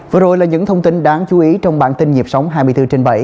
vừa rồi là những thông tin đáng chú ý trong bản tin nhịp sống hai mươi bốn trên bảy